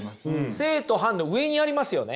正と反の上にありますよね。